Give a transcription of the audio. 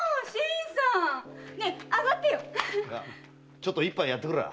ちょっと一杯やってくらあ。